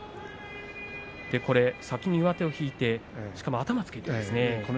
先に上手を引いてしかも頭をつけて。